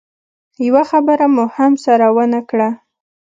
يوه خبره مو هم سره ونه کړه.